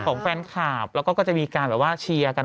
ของแฟนคลับแล้วก็จะมีการแบบว่าเชียร์กัน